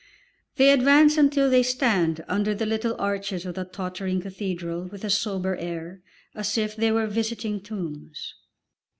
They advance until they stand under the little arches of the tottering cathedral with a sober air, as if they were visiting tombs.